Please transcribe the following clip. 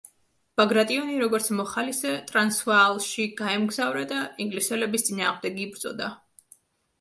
ბაგრატიონი, როგორც მოხალისე, ტრანსვაალში გაემგზავრა და ინგლისელების წინააღმდეგ იბრძოდა.